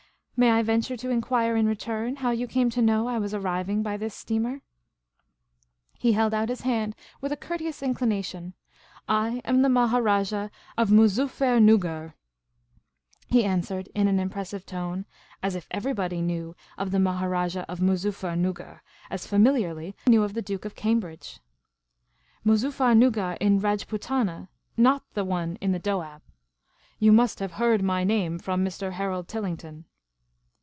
*' May I venture to enquire in return how you came to know I was arriving by this steamer ?" He held out his hand, with a courteous inclination. " I am the Maharajah of Moozuffernuggar," he answered in an impressive tone, as if everybody knew of the Maharajah of Moozuffernuggar as familiarly as they knew of the Duke 236 Miss Cayley's Adventures of Cambridge. " Moozuffernuggar in Rajputana — not the one in the Doab. You must have heard my name from Mr. Harold Tillington."